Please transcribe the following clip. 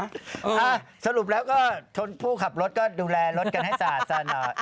สรุปแล้วก็ชนผู้ขับรถก็ดูแลรถกันให้สะหน่อย